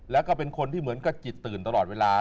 แล้วก็เป็นคนที่เหมือนกระจิตตื่นตลอดเวลา